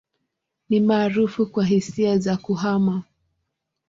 Ni maarufu kwa hisia za kuhama.